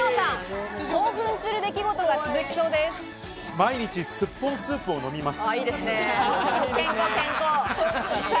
毎日すっぽんスープを飲みます。